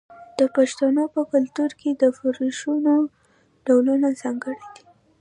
د پښتنو په کلتور کې د فرشونو ډولونه ځانګړي دي.